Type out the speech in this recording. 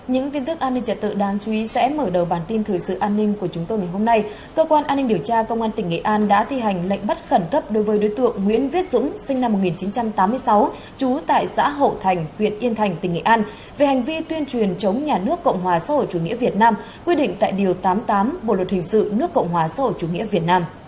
hãy đăng ký kênh để ủng hộ kênh của chúng tôi nhé